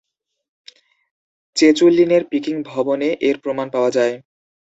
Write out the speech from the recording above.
চেচুলিনের "Peking" ভবনে এর প্রমাণ পাওয়া যায়।